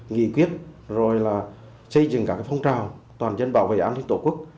nghị quyết rồi là xây dựng các phong trào toàn dân bảo vệ an ninh tổ quốc